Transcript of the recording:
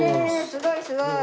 すごいすごい！